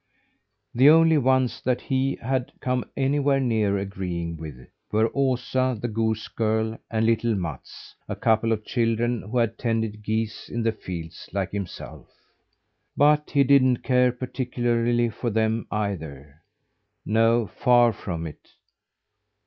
The only ones that he had come anywhere near agreeing with, were Osa, the goose girl, and little Mats a couple of children who had tended geese in the fields, like himself. But he didn't care particularly for them either. No, far from it!